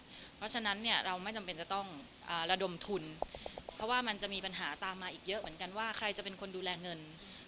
เพราะฉะนั้นเนี่ยเราไม่จำเป็นจะต้องระดมทุนเพราะว่ามันจะมีปัญหาตามมาอีกเยอะเหมือนกันว่าใครจะเป็นคนดูแลเงิน